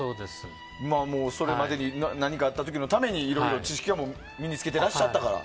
それまでに、何かあった時までにいろいろ知識を身に付けてらっしゃったから。